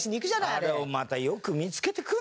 あれをまたよく見付けてくる。